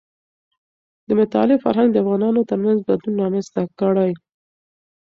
د مطالعې فرهنګ د افغانانو ترمنځ بدلون رامنځته کړي.